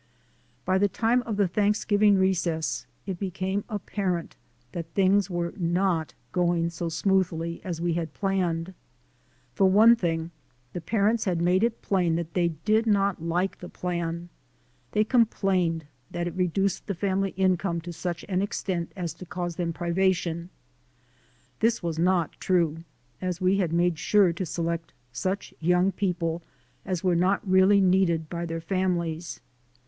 By the time of the Thanksgiving recess, it became apparent that things were not going so smoothly 252 THE SOUL OF AN IMMIGRANT as we had hoped. For one thing the parents had made it plain that they did not like the plan. They complained that it reduced the family income to such an extent as to cause them privation. This was not true, as we had made sure to select such young people as were not really needed by their families.